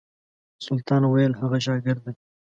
سلطان ویل هغه شاګرد دی.